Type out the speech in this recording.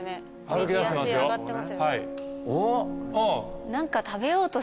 右足上がってますよね。